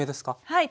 はい。